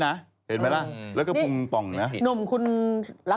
แต่คบกันนานมากผ่านร้อนผ่านหนาวไม่เยอะ